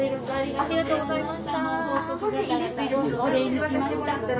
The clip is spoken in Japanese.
ありがとうございます。